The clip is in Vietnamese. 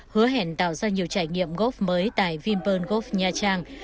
hứa hẹn tạo ra nhiều trải nghiệm góp mới tại vinpeng gop nha trang